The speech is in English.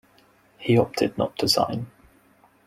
He opted not to sign.